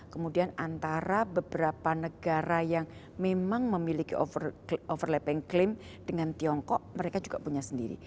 kemudian antara beberapa negara yang memang memiliki overlapping claim dengan tiongkok mereka juga punya sendiri